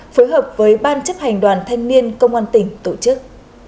phối hợp với ban chấp hành đoàn thanh niên công an tỉnh tổ chức